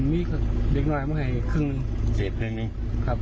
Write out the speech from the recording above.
อ๋อมีเด็กน้อยมันให้ครึ่งหนึ่งเสียบเครื่องนี้ครับ